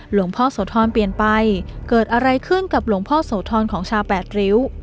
หลวงพ่อโสธรเปลี่ยนไปเกิดอะไรขึ้นกับหลวงพ่อโสธรของชาวแปดริ้ว